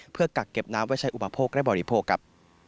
เพื่อกักเก็บน้ำไว้ใช้อุปโภคและบริโภคครับ